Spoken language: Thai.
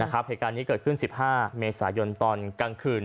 เหตุการณ์นี้เกิดขึ้น๑๕เมษายนตอนกลางคืน